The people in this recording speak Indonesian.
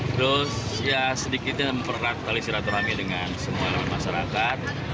terus ya sedikitnya memperhatikan siraturami dengan semua masyarakat